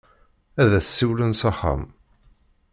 Ad as-siwlen s axxam.